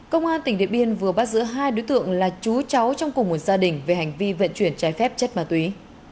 công an tỉnh điện biên vừa bắt giữ hai đối tượng là chú cháu trong cùng một gia đình về hành vi vận chuyển trái phép chất ma túy